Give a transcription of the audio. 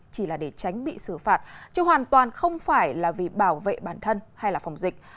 chỉ là để tránh bị xử phạt chứ hoàn toàn không phải là vì bảo vệ bản thân hay là phòng dịch